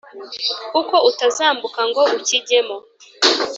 kuko utazambuka ngo ukijyemo”